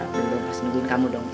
belum pas nungguin kamu dong